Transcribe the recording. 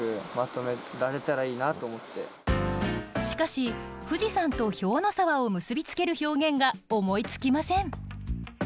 しかし富士山と兵の沢を結び付ける表現が思いつきません。